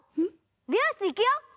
びようしついくよ！